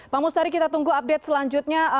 pak mustari kita tunggu update selanjutnya